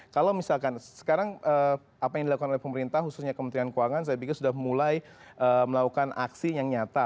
kalau misalkan sekarang apa yang dilakukan oleh pemerintah khususnya kementerian keuangan saya pikir sudah mulai melakukan aksi yang nyata